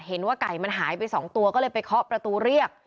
เห็นว่าไก่มันหายไป๒ตัวก็เลยไปเคาะประตูเรียก